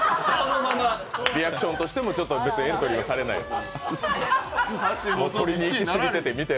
リアクションとしても、別にエントリーはされないです。